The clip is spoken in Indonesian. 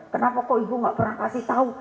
kenapa kok ibu gak pernah kasih tahu